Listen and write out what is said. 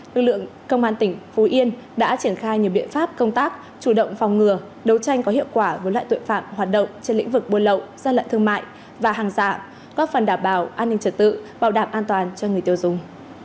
lực lượng công an tỉnh phú yên đã triển khai nhiều biện pháp công tác chủ động phòng ngừa đấu tranh có hiệu quả với loại tội phạm hoạt động trên lĩnh vực buôn lậu gian lận thương mại và hàng giả góp phần đảm bảo an ninh trật tự bảo đảm an toàn cho người tiêu dùng